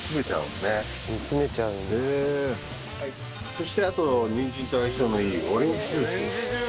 そしてあとにんじんと相性のいいオレンジジュースです。